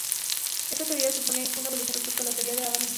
Esta teoría supone una evolución respecto a la teoría de Adam Smith.